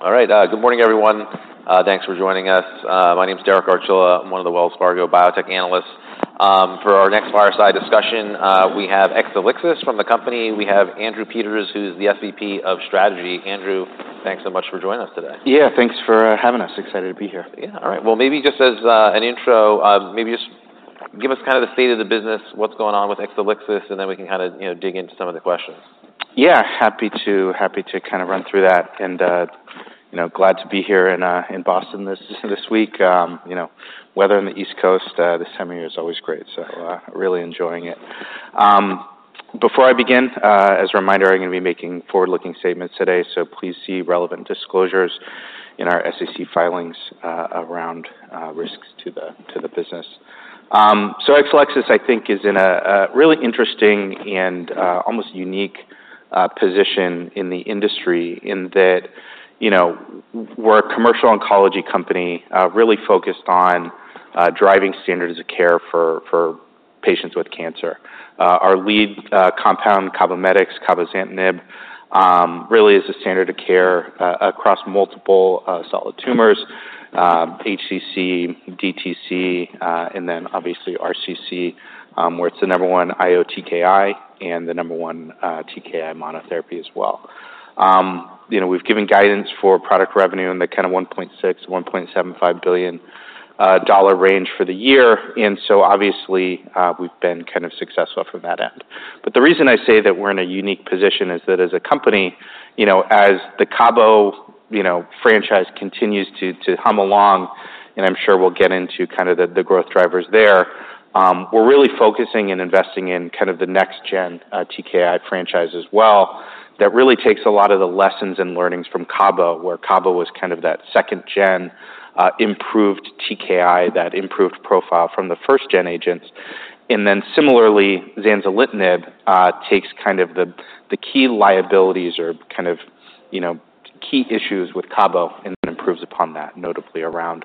All right, good morning, everyone. Thanks for joining us. My name is Derek Archila. I'm one of the Wells Fargo biotech analysts. For our next fireside discussion, we have Exelixis from the company. We have Andrew Peters, who's the SVP of Strategy. Andrew, thanks so much for joining us today. Yeah, thanks for having us. Excited to be here. Yeah. All right. Well, maybe just as an intro, maybe just give us kind of the state of the business, what's going on with Exelixis, and then we can kinda, you know, dig into some of the questions. Yeah, happy to kind of run through that, and you know, glad to be here in Boston this week. You know, weather in the East Coast this time of year is always great, so really enjoying it. Before I begin, as a reminder, I'm gonna be making forward-looking statements today, so please see relevant disclosures in our SEC filings around risks to the business. So Exelixis, I think, is in a really interesting and almost unique position in the industry in that, you know, we're a commercial oncology company really focused on driving standards of care for patients with cancer. Our lead compound CABOMETYX, cabozantinib, really is a standard of care across multiple solid tumors, HCC, DTC, and then obviously RCC, where it's the number one IO-TKI and the number one TKI monotherapy as well. You know, we've given guidance for product revenue in the kind of $1.6-$1.75 billion range for the year, and so obviously, we've been kind of successful from that end. But the reason I say that we're in a unique position is that as a company, you know, as the CABO franchise continues to hum along, and I'm sure we'll get into kind of the growth drivers there, we're really focusing and investing in kind of the next-gen IO-TKI franchise as well. That really takes a lot of the lessons and learnings from CABO, where CABO was kind of that second-gen, improved TKI, that improved profile from the first-gen agents. And then similarly, zanzarlitinib takes kind of the, the key liabilities or kind of, you know, key issues with CABO and then improves upon that, notably around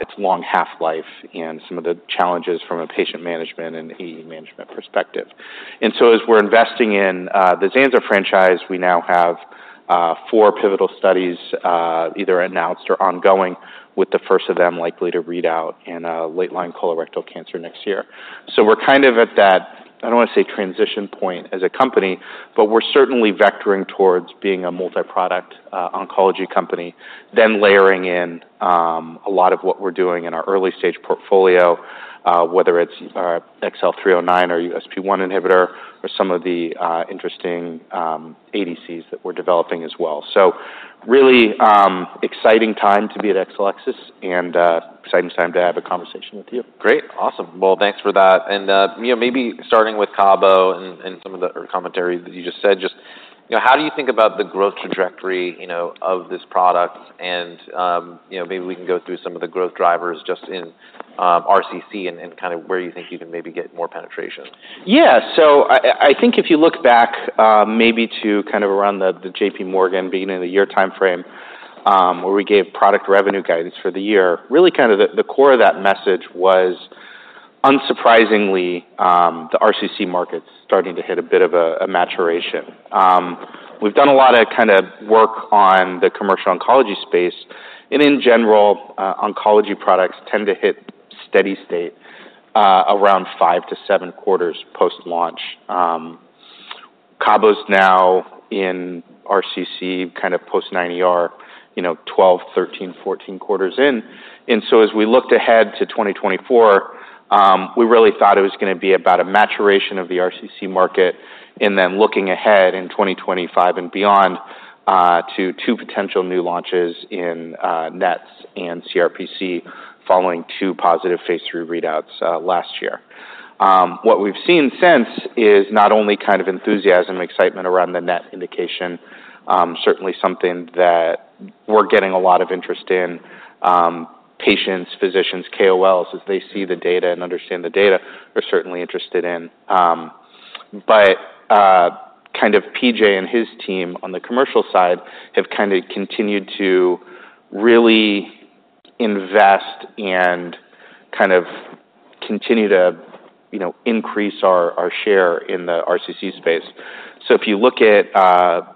its long half-life and some of the challenges from a patient management and HE management perspective. And so as we're investing in the Zanza franchise, we now have four pivotal studies, either announced or ongoing, with the first of them likely to read out in late-line colorectal cancer next year. So we're kind of at that. I don't want to say transition point as a company, but we're certainly vectoring towards being a multi-product oncology company, then layering in a lot of what we're doing in our early-stage portfolio, whether it's our XL309 or USP1 inhibitor or some of the interesting ADCs that we're developing as well. So really, exciting time to be at Exelixis and exciting time to have a conversation with you. Great. Awesome. Well, thanks for that. And, you know, maybe starting with CABO and some of the... commentary that you just said, just, you know, how do you think about the growth trajectory, you know, of this product? And, you know, maybe we can go through some of the growth drivers just in RCC and kind of where you think you can maybe get more penetration. Yeah. So I think if you look back, maybe to kind of around the JPMorgan being in a year timeframe, where we gave product revenue guidance for the year, really kind of the core of that message was unsurprisingly, the RCC market starting to hit a bit of a maturation. We've done a lot of kind of work on the commercial oncology space, and in general, oncology products tend to hit steady state, around five to seven quarters post-launch. CABO's now in RCC, kind of post 9ER, you know, 12, 13, 14 quarters in, and so as we looked ahead to 2024, we really thought it was gonna be about a maturation of the RCC market, and then looking ahead in 2025 and beyond, to two potential new launches in NETs and CRPC, following two positive phase III readouts last year. What we've seen since is not only kind of enthusiasm and excitement around the NET indication, certainly something that we're getting a lot of interest in, patients, physicians, KOLs, as they see the data and understand the data, are certainly interested in. But PJ and his team on the commercial side have kind of continued to really invest and kind of continue to, you know, increase our share in the RCC space. So if you look at,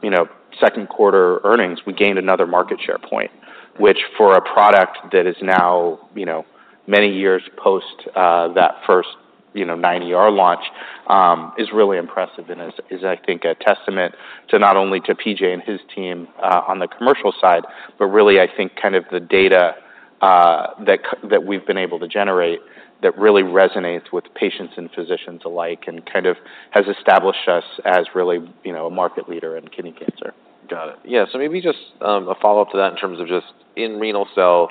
you know, Q2 earnings, we gained another market share point, which for a product that is now, you know, many years post that first, you know, 9ER launch, is really impressive and is I think a testament to not only PJ and his team on the commercial side, but really I think kind of the data that we've been able to generate that really resonates with patients and physicians alike, and kind of has established us as really, you know, a market leader in kidney cancer. Got it. Yeah, so maybe just a follow-up to that in terms of just in renal cell,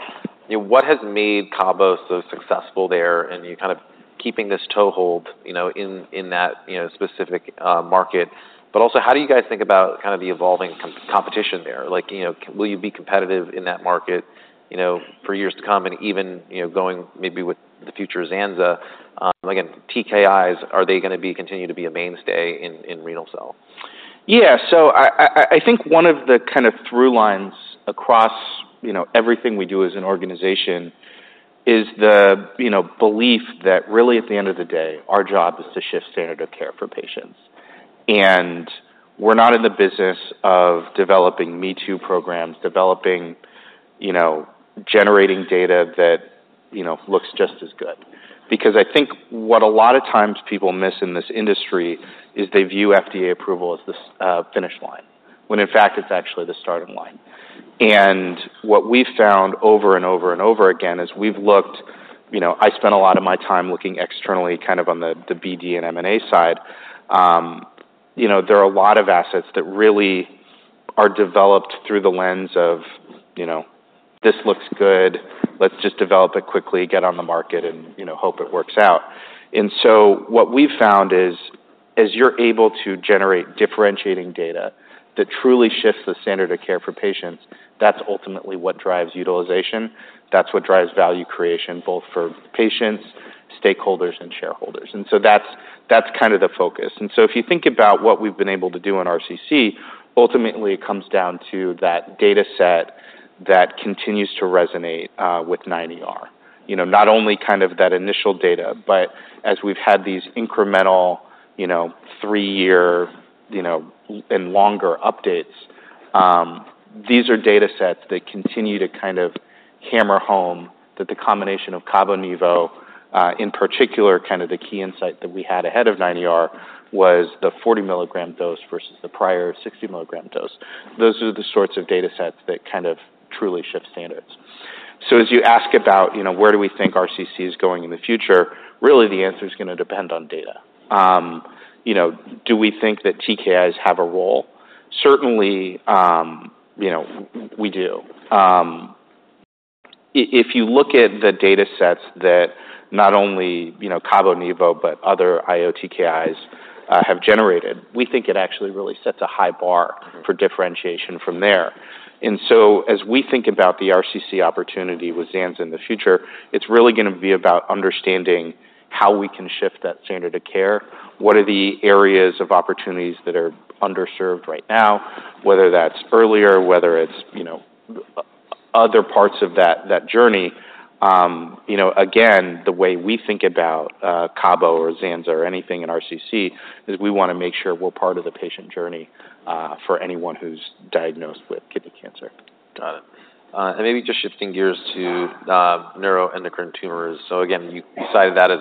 you know, what has made CABO so successful there, and you kind of keeping this toe hold, you know, in that specific market, but also, how do you guys think about kind of the evolving competition there? Like, you know, will you be competitive in that market, you know, for years to come and even, you know, going maybe with the future Zanza, again, TKIs, are they gonna be continued to be a mainstay in renal cell? Yeah. So I think one of the kind of through lines across, you know, everything we do as an organization is the, you know, belief that really, at the end of the day, our job is to shift standard of care for patients. And we're not in the business of developing me-too programs, you know, generating data that, you know, looks just as good. Because I think what a lot of times people miss in this industry is they view FDA approval as the finish line, when in fact it's actually the starting line. And what we've found over and over, and over again, is we've looked. You know, I spent a lot of my time looking externally, kind of on the BD and M&A side. You know, there are a lot of assets that really are developed through the lens of, you know, "This looks good. Let's just develop it quickly, get on the market and, you know, hope it works out." What we've found is, as you're able to generate differentiating data that truly shifts the standard of care for patients, that's ultimately what drives utilization. That's what drives value creation, both for patients, stakeholders, and shareholders. That's kind of the focus. If you think about what we've been able to do in RCC, ultimately it comes down to that data set that continues to resonate with 9ER. You know, not only kind of that initial data, but as we've had these incremental, you know, three-year, you know, and longer updates, these are data sets that continue to kind of hammer home that the combination of CABOMETYX, in particular, kind of the key insight that we had ahead of 9ER, was the 40 milligram dose versus the prior 60 milligram dose. Those are the sorts of data sets that kind of truly shift standards. So as you ask about, you know, where do we think RCC is going in the future? Really, the answer is gonna depend on data. You know, do we think that TKIs have a role? Certainly, you know, we do. If you look at the data sets that not only, you know, CABOMETYX, but other IO-TKIs have generated, we think it actually really sets a high bar for differentiation from there, so as we think about the RCC opportunity with Zanza in the future, it's really gonna be about understanding how we can shift that standard of care. What are the areas of opportunities that are underserved right now? Whether that's earlier, whether it's, you know, other parts of that journey. You know, again, the way we think about CABO or Zanza or anything in RCC is we wanna make sure we're part of the patient journey for anyone who's diagnosed with kidney cancer. Got it. And maybe just shifting gears to neuroendocrine tumors. So again, you cited that as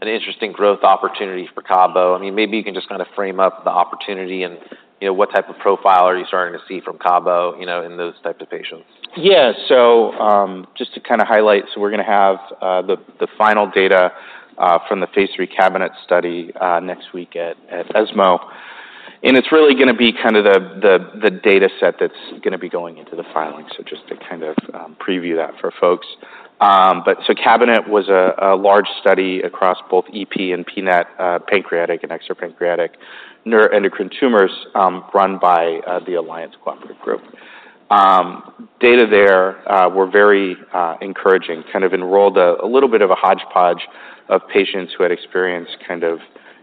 an interesting growth opportunity for CABO. I mean, maybe you can just kind of frame up the opportunity and, you know, what type of profile are you starting to see from CABO, you know, in those types of patients? Yeah. So, just to kind of highlight, so we're gonna have the final data from the phase III CABINET study next week at ESMO. And it's really gonna be kind of the data set that's gonna be going into the filing. So just to kind of preview that for folks. But so CABINET was a large study across both EP and PNET, pancreatic and extra-pancreatic neuroendocrine tumors, run by the Alliance Cooperative Group. Data there were very encouraging, kind of enrolled a little bit of a hodgepodge of patients who had experienced kind of,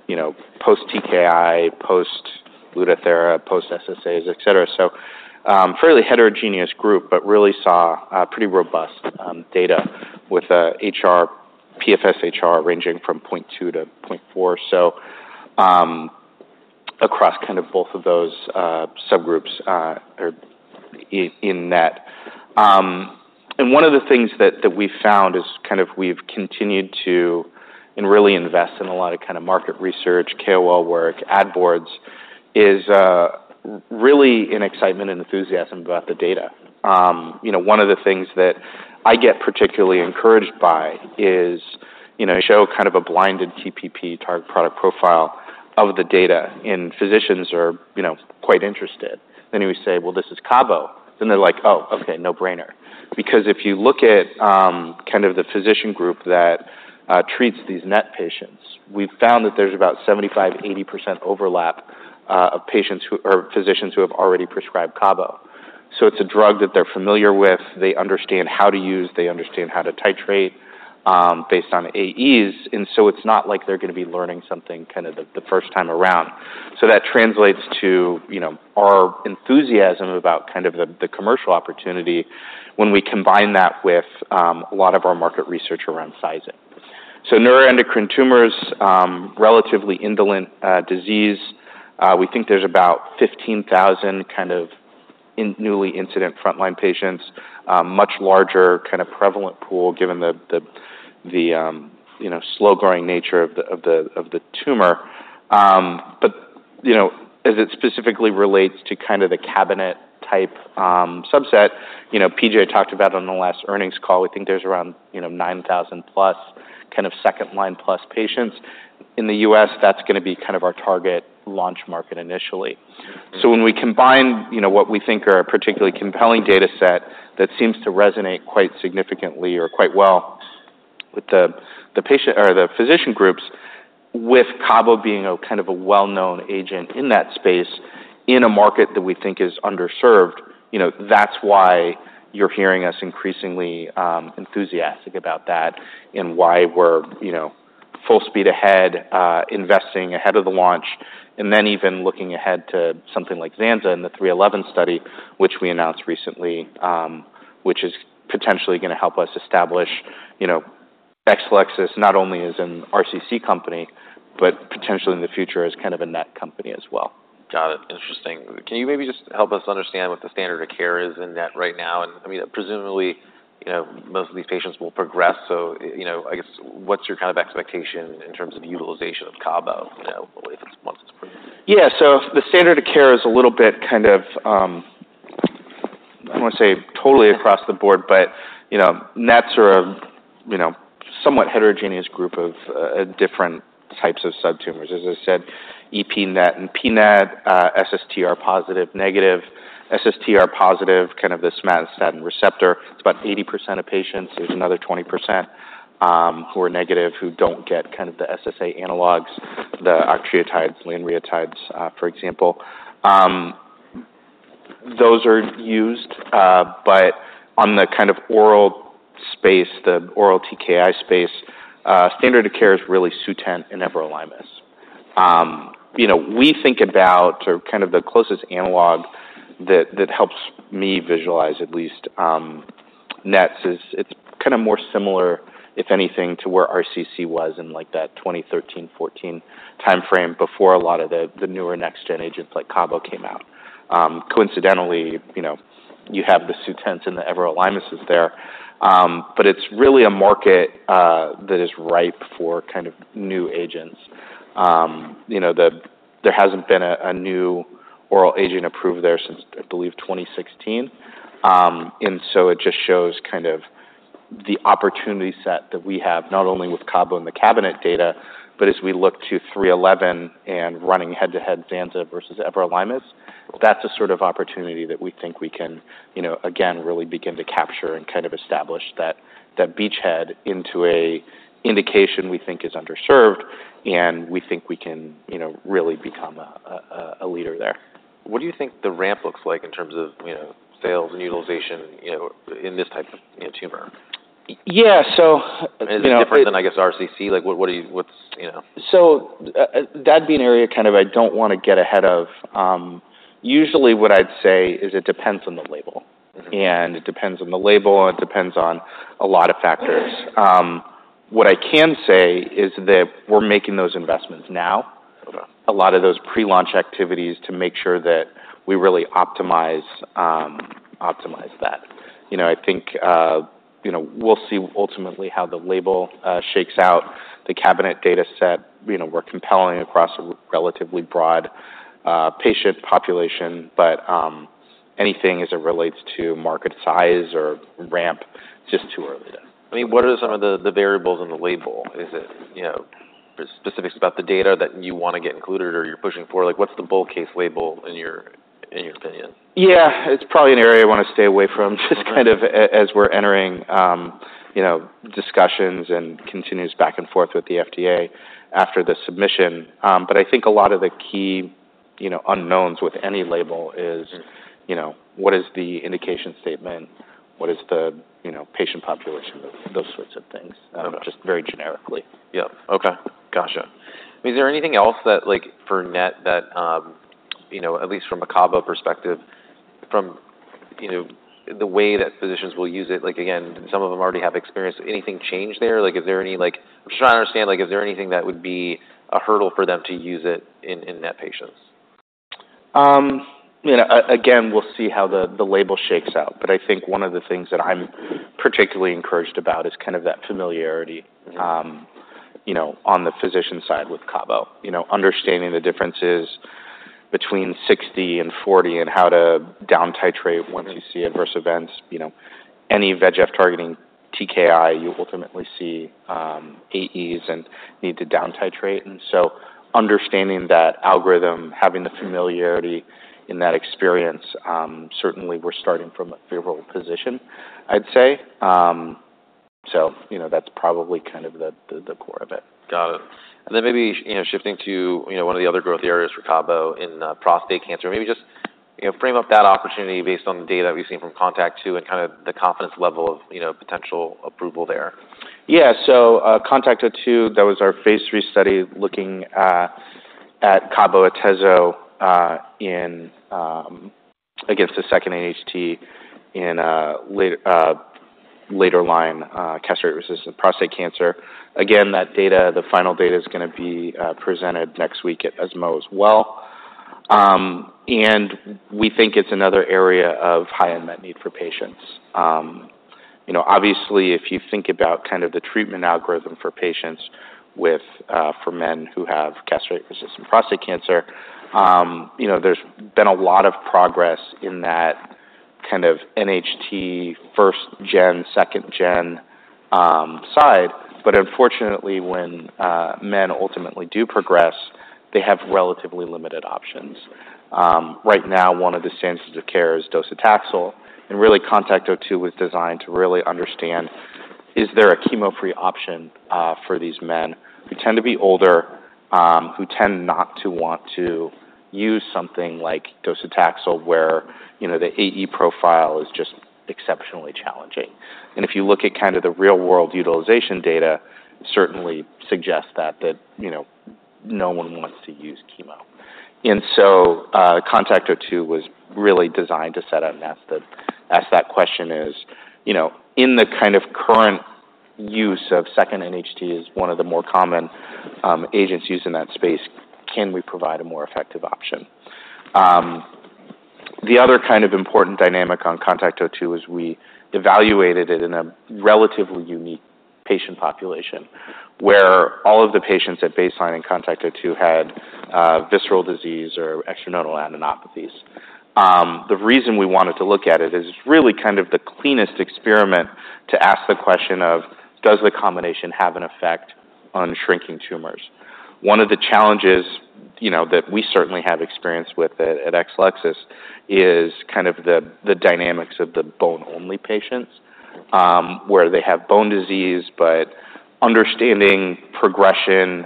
you know, post TKI, post Lutathera, post SSAs, et cetera. So, fairly heterogeneous group, but really saw pretty robust data with PFS HR ranging from 0.2 to 0.4. So, across kind of both of those, subgroups, or in that. And one of the things that we've found is kind of we've continued to, and really invest in a lot of kind of market research, KOL work, ad boards, is really an excitement and enthusiasm about the data. You know, one of the things that I get particularly encouraged by is, you know, show kind of a blinded TPP, target product profile, of the data, and physicians are, you know, quite interested. Then we say, "Well, this is CABO." Then they're like: "Oh, okay, no-brainer." Because if you look at, kind of the physician group that treats these NET patients, we've found that there's about 75-80% overlap of patients who... Or physicians who have already prescribed CABO. So it's a drug that they're familiar with. They understand how to use it. They understand how to titrate based on AEs, and so it's not like they're gonna be learning something kind of the first time around. So that translates to, you know, our enthusiasm about kind of the commercial opportunity when we combine that with a lot of our market research around sizing. So neuroendocrine tumors, relatively indolent disease. We think there's about 15,000 kind of newly incident frontline patients, much larger kind of prevalent pool, given the you know, slow-growing nature of the tumor. But, you know, as it specifically relates to kind of the CABINET-type subset, you know, PJ talked about on the last earnings call, we think there's around, you know, nine thousand plus, kind of second line plus patients. In the US, that's gonna be kind of our target launch market initially. So when we combine, you know, what we think are a particularly compelling data set that seems to resonate quite significantly or quite well with the patient or the physician groups, with CABO being a kind of a well-known agent in that space, in a market that we think is underserved, you know, that's why you're hearing us increasingly enthusiastic about that and why we're, you know... Full speed ahead, investing ahead of the launch, and then even looking ahead to something like Xanza and the 311 study, which we announced recently, which is potentially going to help us establish, you know, Exelixis not only as an RCC company, but potentially in the future, as kind of a NET company as well. Got it. Interesting. Can you maybe just help us understand what the standard of care is in NET right now? And, I mean, presumably, you know, most of these patients will progress, so, you know, I guess, what's your kind of expectation in terms of utilization of CABO, you know, if it's once it's approved? Yeah. So the standard of care is a little bit kind of, I want to say, totally across the board, but, you know, NETs are a, you know, somewhat heterogeneous group of different types of sub-tumors. As I said, EP-NET and PNET, SSTR positive, negative, SSTR positive, kind of the somatostatin receptor. It's about 80% of patients. There's another 20%, who are negative, who don't get kind of the SSA analogs, the octreotide, lanreotide, for example. Those are used, but on the kind of oral space, the oral TKI space, standard of care is really Sutent and everolimus. You know, we think about or kind of the closest analog that helps me visualize at least, NETs is it's kinda more similar, if anything, to where RCC was in, like, that 2013, 2014 timeframe before a lot of the newer next-gen agents like CABO came out. Coincidentally, you know, you have the Sutent and the everolimus there, but it's really a market that is ripe for kind of new agents. You know, there hasn't been a new oral agent approved there since, I believe, 2016. So it just shows kind of the opportunity set that we have, not only with CABO and the cabinet data, but as we look to STELLAR-311 and running head-to-head Xanza versus everolimus. That's the sort of opportunity that we think we can, you know, again, really begin to capture and kind of establish that beachhead into an indication we think is underserved, and we think we can, you know, really become a leader there. What do you think the ramp looks like in terms of, you know, sales and utilization, you know, in this type of, you know, tumor? Yeah, so, you know- Is it different than, I guess, RCC? Like, what, what do you... What's, you know? So, that'd be an area kind of I don't wanna get ahead of. Usually, what I'd say is it depends on the label. Mm-hmm. And it depends on the label, and it depends on a lot of factors. What I can say is that we're making those investments now. Okay. A lot of those pre-launch activities to make sure that we really optimize that. You know, I think, you know, we'll see ultimately how the label shakes out. The cabinet dataset, you know, we're compelling across a relatively broad patient population, but anything as it relates to market size or ramp, just too early. I mean, what are some of the variables in the label? Is it, you know, specifics about the data that you wanna get included or you're pushing for? Like, what's the bull case label in your opinion? Yeah, it's probably an area I want to stay away from, just kind of- Okay... as we're entering, you know, discussions and continues back and forth with the FDA after the submission. But I think a lot of the key, you know, unknowns with any label is- You know, what is the indication statement? What is the, you know, patient population? Those sorts of things. Okay. Just very generically. Yep. Okay. Gotcha. Is there anything else that, like, for NET, that, you know, at least from a CABO perspective, from, you know, the way that physicians will use it? Like, again, some of them already have experience. Anything change there? Like, is there any, like... I'm trying to understand, like, is there anything that would be a hurdle for them to use it in NET patients? You know, again, we'll see how the label shakes out, but I think one of the things that I'm particularly encouraged about is kind of that familiarity. Mm-hmm... you know, on the physician side with CABO. You know, understanding the differences between 60 and 40 and how to down titrate. Mm-hmm Once you see adverse events. You know, any VEGF targeting TKI, you ultimately see AEs and need to down titrate, and so understanding that algorithm, having the familiarity in that experience, certainly we're starting from a favorable position, I'd say. So, you know, that's probably kind of the core of it. Got it. And then maybe, you know, shifting to, you know, one of the other growth areas for CABO in prostate cancer, maybe just, you know, frame up that opportunity based on the data that we've seen from CONTACT-02 and kind of the confidence level of, you know, potential approval there. Yeah, so, CONTACT-02, that was our phase III study, looking at CABO/Atezo in against a second NHT in later line castration-resistant prostate cancer. Again, that data, the final data, is gonna be presented next week at ESMO as well. And we think it's another area of high unmet need for patients. You know, obviously, if you think about kind of the treatment algorithm for men who have castration-resistant prostate cancer, you know, there's been a lot of progress in that kind of NHT, first gen, second gen, side, but unfortunately, when men ultimately do progress, they have relatively limited options. Right now, one of the standards of care is docetaxel, and really, CONTACT-02 was designed to really understand, is there a chemo-free option for these men who tend to be older, who tend not to want to use something like docetaxel, where, you know, the AE profile is just exceptionally challenging. And if you look at kind of the real-world utilization data, certainly suggests that, that, you know, no one wants to use chemo. And so, CONTACT-02 was really designed to set out and ask that question, is, you know, in the kind of current use of second NHT is one of the more common agents used in that space, can we provide a more effective option? The other kind of important dynamic on CONTACT-02 is we evaluated it in a relatively unique patient population, where all of the patients at baseline in CONTACT-02 had visceral disease or extranodal adenopathies. The reason we wanted to look at it is really kind of the cleanest experiment to ask the question of does the combination have an effect on shrinking tumors? One of the challenges, you know, that we certainly have experience with it at Exelixis, is kind of the dynamics of the bone-only patients, where they have bone disease, but understanding progression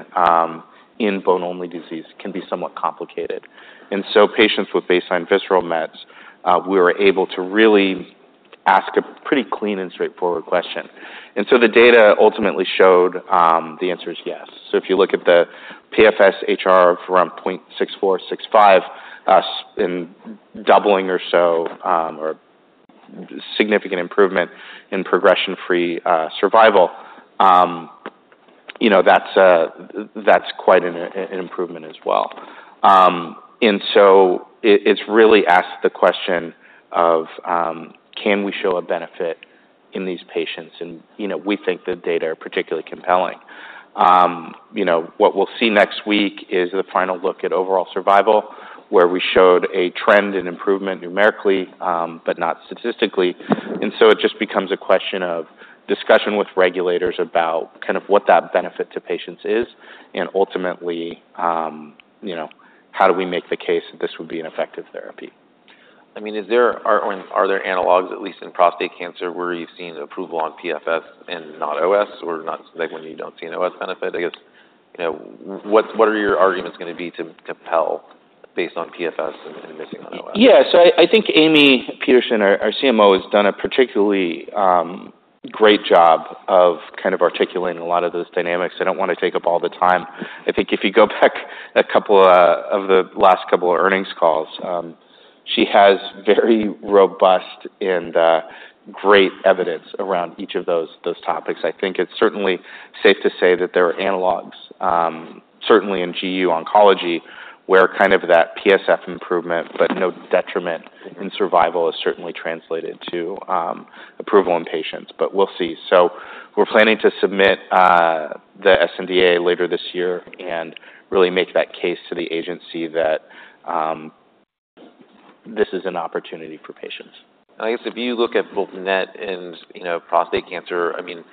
in bone only disease can be somewhat complicated. And so patients with baseline visceral mets, we were able to really ask a pretty clean and straightforward question. And so the data ultimately showed the answer is yes. So if you look at the PFS HR from 0.64, 0.65 in doubling or so or significant improvement in progression-free survival, you know, that's quite an improvement as well. And so it really asked the question of can we show a benefit in these patients? And, you know, we think the data are particularly compelling. You know, what we'll see next week is the final look at overall survival, where we showed a trend in improvement numerically, but not statistically. And so it just becomes a question of discussion with regulators about kind of what that benefit to patients is, and ultimately, you know, how do we make the case that this would be an effective therapy? I mean, are there analogs, at least in prostate cancer, where you've seen approval on PFS and not OS, or not, like, when you don't see an OS benefit? I guess, you know, what are your arguments gonna be to compel based on PFS and missing on OS? Yeah. So I think Amy Peterson, our CMO, has done a particularly great job of kind of articulating a lot of those dynamics. I don't want to take up all the time. I think if you go back a couple of the last couple of earnings calls, she has very robust and great evidence around each of those topics. I think it's certainly safe to say that there are analogs certainly in GU oncology, where kind of that PFS improvement, but no detriment in survival, is certainly translated to approval in patients. But we'll see. So we're planning to submit the SNDA later this year and really make that case to the agency that this is an opportunity for patients. I guess if you look at both NET and, you know, prostate cancer, I mean,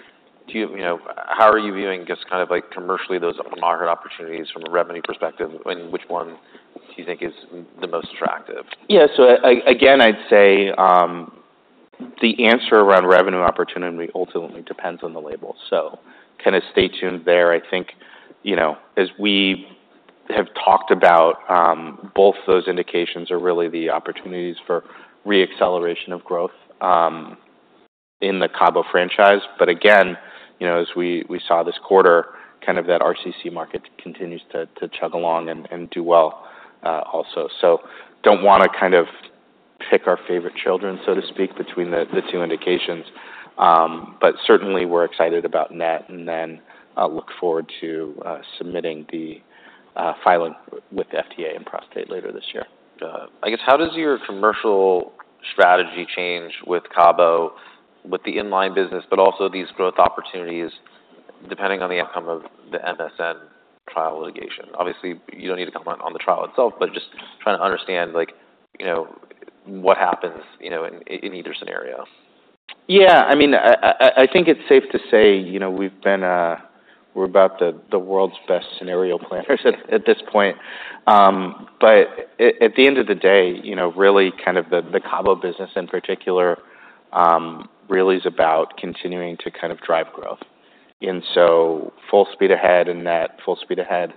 do you... You know, how are you viewing, just kind of like, commercially, those opportunities from a revenue perspective, and which one do you think is the most attractive? Yeah. So again, I'd say, the answer around revenue opportunity ultimately depends on the label, so kind of stay tuned there. I think, you know, as we have talked about, both those indications are really the opportunities for re-acceleration of growth, in the CABO franchise. But again, you know, as we saw this quarter, kind of that RCC market continues to chug along and do well, also. So don't wanna kind of pick our favorite children, so to speak, between the two indications. But certainly we're excited about NET, and then look forward to submitting the filing with the FDA and prostate later this year. I guess, how does your commercial strategy change with CABO, with the inline business, but also these growth opportunities, depending on the outcome of the MSN trial litigation? Obviously, you don't need to comment on the trial itself, but just trying to understand like, you know, what happens, you know, in either scenario. Yeah, I mean, I think it's safe to say, you know, we've been a we're about the world's best scenario planners at this point. But at the end of the day, you know, really kind of the CABO business in particular really is about continuing to kind of drive growth. And so full speed ahead in that, full speed ahead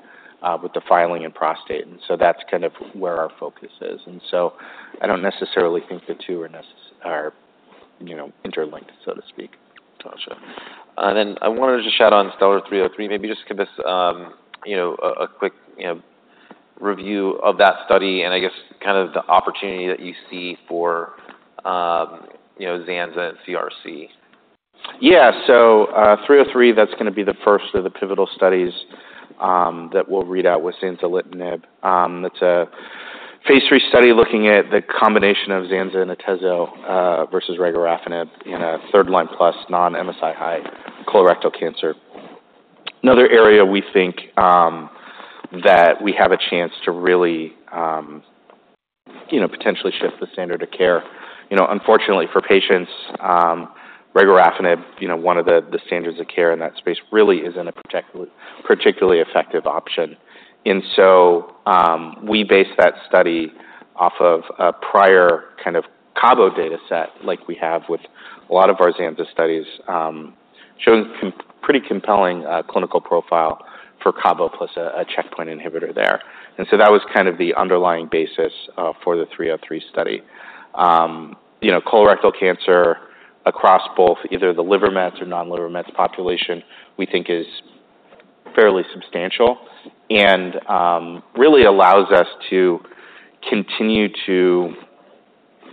with the filing and prostate. And so that's kind of where our focus is. And so I don't necessarily think the two are necessarily, you know, interlinked, so to speak. Gotcha. And then I wanted to just chat on STELLAR-303. Maybe just give us, you know, a quick, you know, review of that study and I guess kind of the opportunity that you see for, you know, Xanza and CRC. Yeah. So, 303, that's gonna be the first of the pivotal studies that we'll read out with zanzarlitinib. It's a phase III study looking at the combination of Xanza and atezolizumab versus regorafenib in a third-line plus non-MSI-high colorectal cancer. Another area we think that we have a chance to really you know potentially shift the standard of care. You know, unfortunately for patients, regorafenib you know one of the standards of care in that space really isn't a particularly effective option. And so, we based that study off of a prior kind of CABO data set, like we have with a lot of our Xanza studies showing pretty compelling clinical profile for CABO plus a checkpoint inhibitor there. And so that was kind of the underlying basis for the 303 study. You know, colorectal cancer across both either the liver mets or non-liver mets population, we think is fairly substantial and really allows us to continue to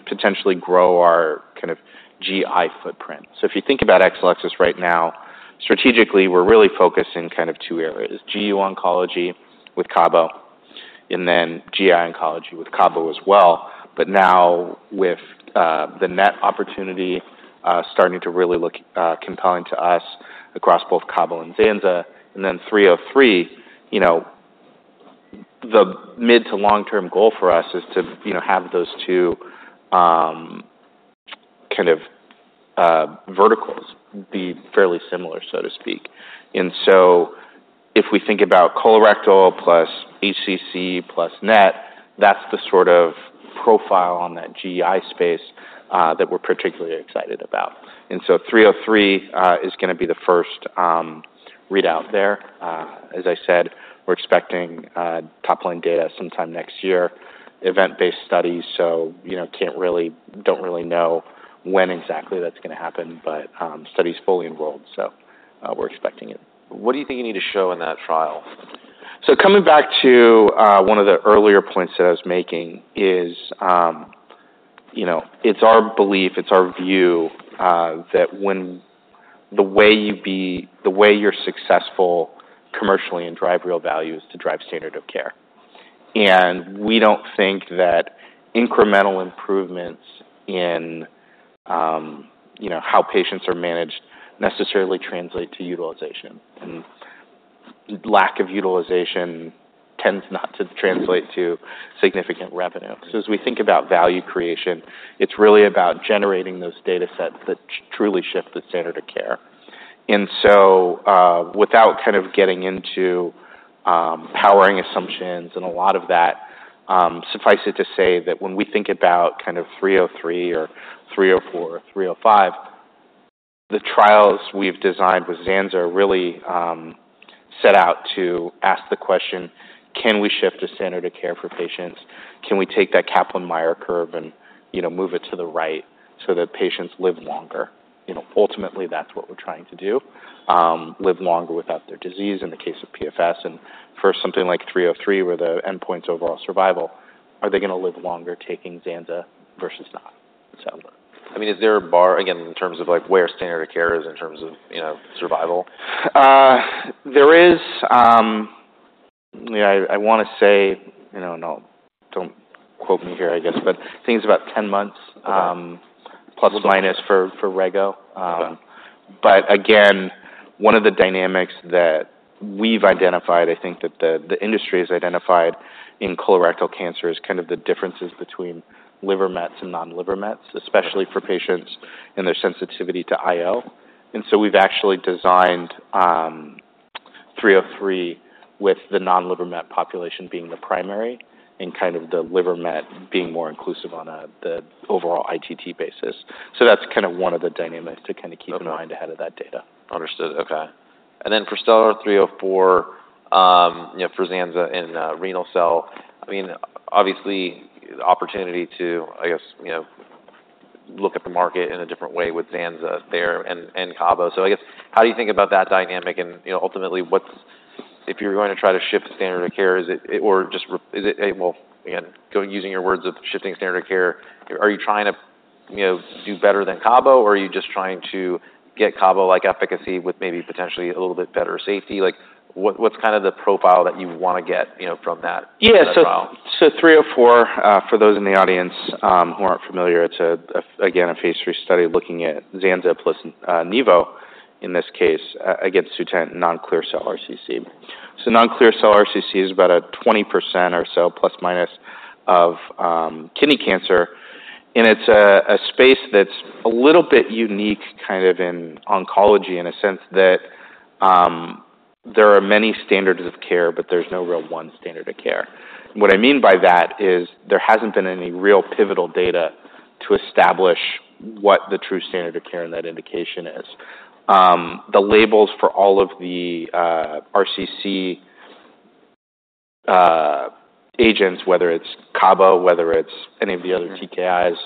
potentially grow our kind of GI footprint. So if you think about Exelixis right now, strategically, we're really focused in kind of two areas: GU oncology with CABO and then GI oncology with CABO as well. But now, with the NET opportunity starting to really look compelling to us across both CABO and Xanza, and then 303, you know, the mid to long-term goal for us is to, you know, have those two kind of verticals be fairly similar, so to speak. And so if we think about colorectal plus HCC, plus NET, that's the sort of profile on that GI space, that we're particularly excited about. And so 303 is gonna be the first readout there. As I said, we're expecting top-line data sometime next year. Event-based studies, so you know, can't really, don't really know when exactly that's gonna happen, but study's fully enrolled, so we're expecting it. What do you think you need to show in that trial? So coming back to one of the earlier points that I was making is, you know, it's our belief, it's our view, that when the way you're successful commercially and drive real value is to drive standard of care. And we don't think that incremental improvements in, you know, how patients are managed necessarily translate to utilization, and lack of utilization tends not to translate to significant revenue. So as we think about value creation, it's really about generating those data sets that truly shift the standard of care. And so, without kind of getting into, powering assumptions and a lot of that, suffice it to say that when we think about kind of 303 or 304 or 305, the trials we've designed with Xanza are really, set out to ask the question: Can we shift the standard of care for patients? Can we take that Kaplan-Meier curve and, you know, move it to the right so that patients live longer? You know, ultimately, that's what we're trying to do. Live longer without their disease in the case of PFS, and for something like three oh three, where the endpoint's overall survival, are they gonna live longer taking Xanza versus not? So... I mean, is there a bar, again, in terms of, like, where standard of care is in terms of, you know, survival? I wanna say, you know, don't quote me here, I guess, but I think it's about ten months, plus or minus for Rego. Okay. But again, one of the dynamics that we've identified, I think that the industry has identified in colorectal cancer is kind of the differences between liver mets and non-liver mets, especially for patients and their sensitivity to IO. And so we've actually designed three oh three with the non-liver met population being the primary and kind of the liver met being more inclusive on the overall ITT basis. So that's kind of one of the dynamics to kinda keep- Okay. In mind ahead of that data. Understood. Okay. And then for STELLAR-304, you know, for Xanza and renal cell, I mean, obviously, the opportunity to, I guess, you know, look at the market in a different way with Xanza there and CABO. So I guess, how do you think about that dynamic and, you know, ultimately, what's... If you're going to try to shift standard of care, is it... Or just is it, it will, again, using your words of shifting standard of care, are you trying to, you know, do better than CABO, or are you just trying to get CABO-like efficacy with maybe potentially a little bit better safety? Like, what, what's kind of the profile that you wanna get, you know, from that trial? Yeah. So three oh four, for those in the audience who aren't familiar, it's again a phase III study looking at Xanza plus nivo, in this case, against sutent non-clear cell RCC. So non-clear cell RCC is about 20% or so, plus minus of kidney cancer, and it's a space that's a little bit unique, kind of in oncology, in a sense that there are many standards of care, but there's no real one standard of care. What I mean by that is there hasn't been any real pivotal data to establish what the true standard of care in that indication is. The labels for all of the RCC agents, whether it's CABO, whether it's any of the other. TKIs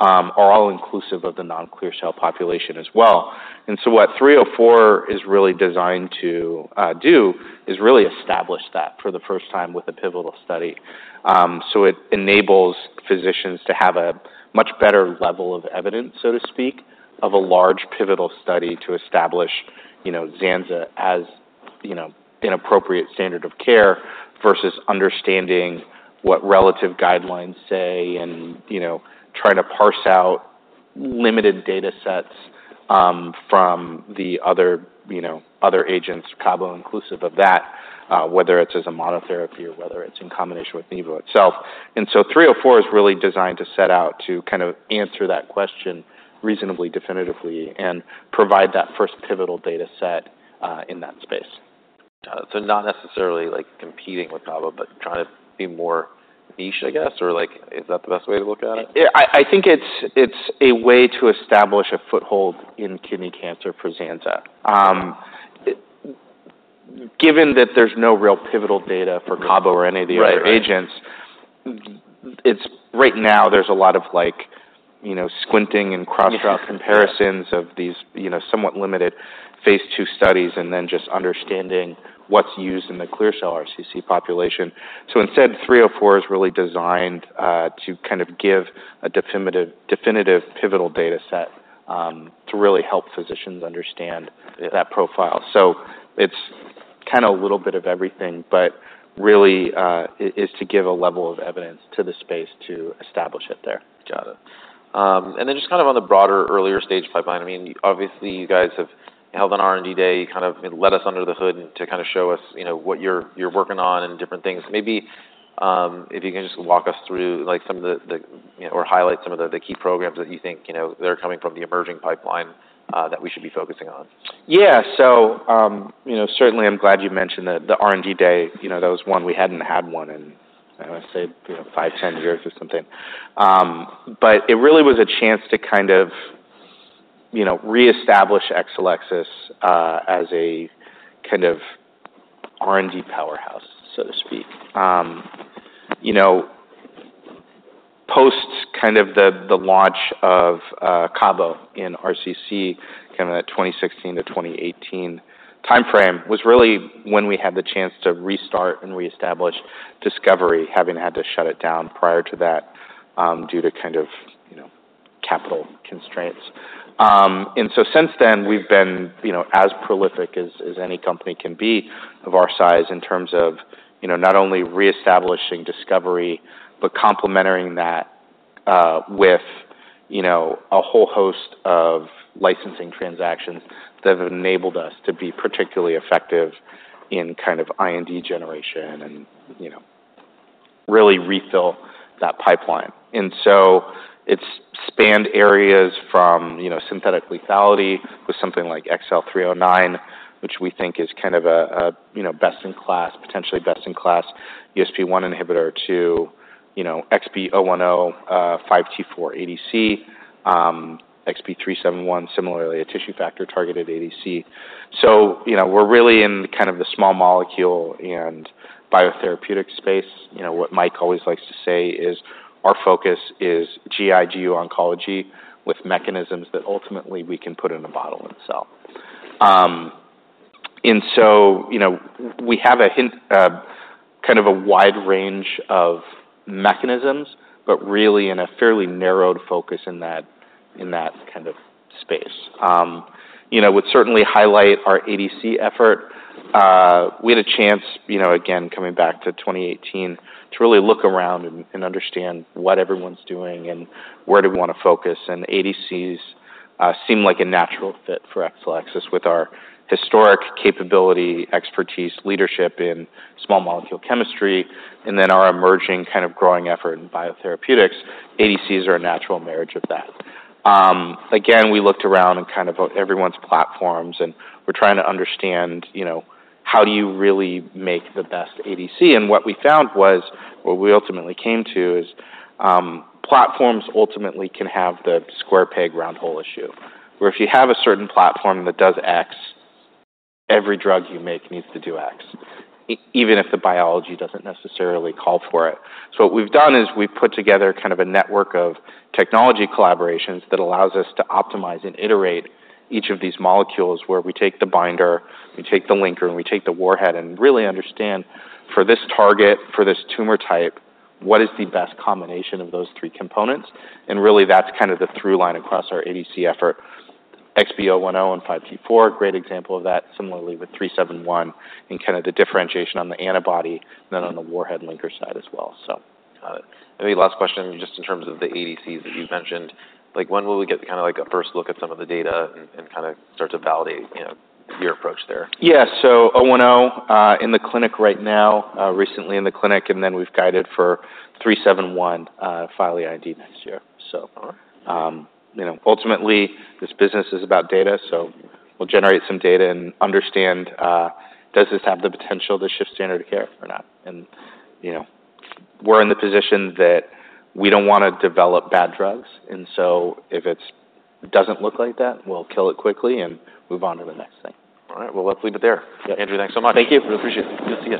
are all inclusive of the non-clear cell population as well. And so what three oh four is really designed to do is really establish that for the first time with a pivotal study. So it enables physicians to have a much better level of evidence, so to speak, of a large pivotal study to establish, you know, Xanza as, you know, an appropriate standard of care versus understanding what relative guidelines say and, you know, trying to parse out limited data sets from the other, you know, other agents, CABO inclusive of that, whether it's as a monotherapy or whether it's in combination with nivo itself. And so three oh four is really designed to set out to kind of answer that question reasonably definitively and provide that first pivotal data set in that space.... Got it. So not necessarily like competing with CABO, but trying to be more niche, I guess, or like, is that the best way to look at it? Yeah, I think it's a way to establish a foothold in kidney cancer for Xanza. Given that there's no real pivotal data for CABO or any of the other agents- It's right now, there's a lot of, like, you know, squinting and cross-trial comparisons-... of these, you know, somewhat limited phase II studies, and then just understanding what's used in the clear cell RCC population. So instead, three hundred and four is really designed to kind of give a definitive pivotal data set to really help physicians understand that profile. So it's kinda a little bit of everything, but really, it is to give a level of evidence to the space to establish it there. Got it. And then just kind of on the broader, earlier stage pipeline, I mean, obviously, you guys have held an R&D day, kind of let us under the hood to kinda show us, you know, what you're working on and different things. Maybe, if you can just walk us through, like, some of the or highlight some of the key programs that you think, you know, that are coming from the emerging pipeline, that we should be focusing on. Yeah. So, you know, certainly, I'm glad you mentioned the R&D day. You know, that was one, we hadn't had one in, I want to say, you know, five, 10 years or something. But it really was a chance to kind of, you know, reestablish Exelixis as a kind of R&D powerhouse, so to speak. You know, post kind of the launch of CABO in RCC, that 2016 to 2018 timeframe, was really when we had the chance to restart and reestablish discovery, having had to shut it down prior to that, due to kind of, you know, capital constraints. And so since then, we've been, you know, as prolific as any company can be of our size in terms of, you know, not only reestablishing discovery, but complementing that, with, you know, a whole host of licensing transactions that have enabled us to be particularly effective in kind of IND generation and, you know, really refill that pipeline. And so it's spanned areas from, you know, synthetic lethality with something like XL309, which we think is kind of a, you know, best-in-class, potentially best-in-class, USP1 inhibitor to, you know, XB010, 5T4 ADC, XB371, similarly, a tissue factor targeted ADC. So, you know, we're really in kind of the small molecule and biotherapeutic space. You know, what Mike always likes to say is, our focus is GIGU oncology with mechanisms that ultimately we can put in a bottle and sell. And so, you know, we have a hint, kind of a wide range of mechanisms, but really in a fairly narrowed focus in that, in that kind of space. You know, would certainly highlight our ADC effort. We had a chance, you know, again, coming back to twenty eighteen, to really look around and understand what everyone's doing and where do we wanna focus, and ADCs seem like a natural fit for Exelixis with our historic capability, expertise, leadership in small molecule chemistry, and then our emerging kind of growing effort in biotherapeutics. ADCs are a natural marriage of that. Again, we looked around and kind of at everyone's platforms, and we're trying to understand, you know, how do you really make the best ADC? And what we found was, what we ultimately came to is, platforms ultimately can have the square peg, round hole issue, where if you have a certain platform that does X, every drug you make needs to do X, even if the biology doesn't necessarily call for it. So what we've done is we've put together kind of a network of technology collaborations that allows us to optimize and iterate each of these molecules, where we take the binder, we take the linker, and we take the warhead, and really understand, for this target, for this tumor type, what is the best combination of those three components? And really, that's kind of the through line across our ADC effort. XB010 and 5T4, great example of that, similarly with XB371, and kinda the differentiation on the antibody, then on the warhead linker side as well, so. Got it. Maybe last question, just in terms of the ADCs that you mentioned, like, when will we get kinda like a first look at some of the data and kinda start to validate, you know, your approach there? Yeah. So i know in the clinic right now, recently in the clinic, and then we've guided for 371, file the IND next year. So- All right... you know, ultimately, this business is about data, so we'll generate some data and understand, does this have the potential to shift standard of care or not? You know, we're in the position that we don't wanna develop bad drugs, and so if it doesn't look like that, we'll kill it quickly and move on to the next thing. All right, well, let's leave it there. Yeah. Andrew, thanks so much. Thank you. Appreciate it. Good to see you.